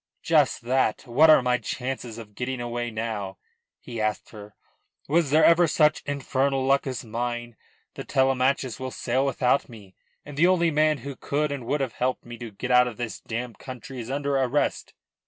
"Just that. What are my chances of getting away now?" he asked her. "Was there ever such infernal luck as mine? The Telemachus will sail without me, and the only man who could and would have helped me to get out of this damned country is under arrest.